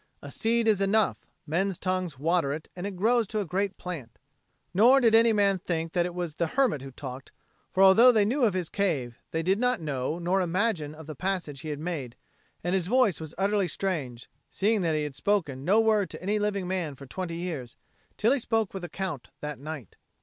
A seed is enough: men's tongues water it and it grows to a great plant. Nor did any man think that it was the hermit who talked; for although they knew of his cave, they did not know nor imagine of the passage he had made, and his voice was utterly strange, seeing that he had spoken no word to any living man for twenty years, till he spoke with the Count that night.